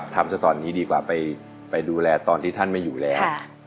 ทำซะตอนนี้ดีกว่าไปดูแลตอนที่ท่านไม่อยู่แล้ว